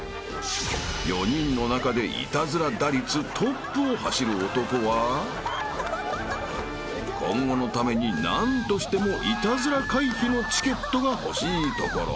［４人の中でイタズラ打率トップを走る男は今後のために何としてもイタズラ回避のチケットが欲しいところ］